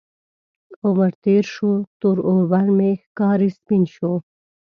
عمر تیر شو، تور اوربل مې ښکاري سپین شو